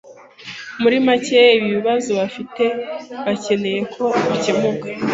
muri macye ibibazo bafite bakeneye ko bikemuka